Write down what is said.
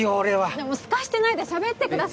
すかしてないでしゃべってください。